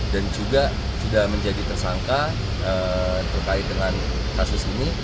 dan juga sudah menjadi tersangka terkait dengan kasus ini